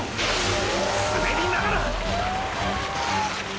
滑りながら！！